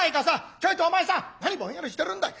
ちょいとお前さん何ぼんやりしてるんだい。